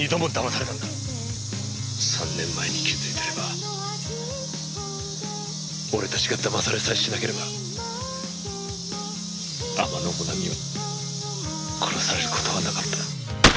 ３年前に気づいてれば俺たちが騙されさえしなければ天野もなみは殺される事はなかった。